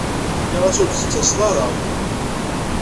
Nniɣ-as ur d-tettaseḍ ara.